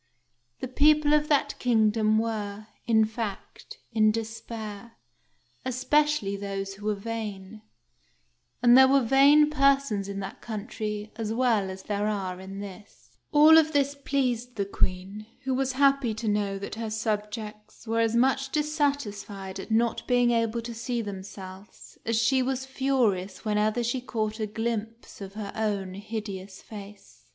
The people of that kingdom were, in fact, in despair, espe cially those who were vain ; and there were vain persons in that country as well as there are in this. 43 44 THE FAIRY SPINNING WHEEL All of this pleased the Queen, who was happy to know that her subjects were as much dissatisfied at not being able to see themselves as she was furious whenever she caught a glimpse of her own hideous face.